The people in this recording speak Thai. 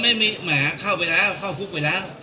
ไม่มีหมาเข้าไปแล้วเข้าคุกไปแล้ว